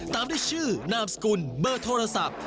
ตามด้วยชื่อนามสกุลเบอร์โทรศัพท์